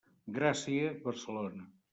Gràcia, Barcelona.